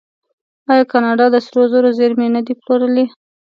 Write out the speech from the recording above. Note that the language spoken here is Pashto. آیا کاناډا د سرو زرو زیرمې نه دي پلورلي؟